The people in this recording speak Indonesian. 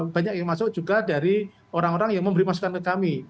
banyak yang masuk juga dari orang orang yang memberi masukan ke kami